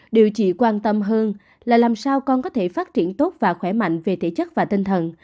điều trị quan tâm hơn là làm sao con có thể phát triển tốt và khỏe mạnh về thể chất và tinh thần